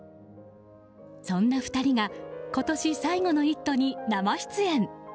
そんな２人が今年最後の「イット！」に生出演。